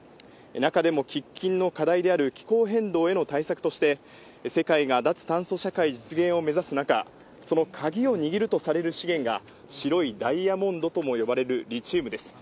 中でも喫緊の課題である気候変動への対策として、世界が脱炭素社会実現を目指す中、その鍵を握るとされる資源が、白いダイヤモンドとも呼ばれるリチウムです。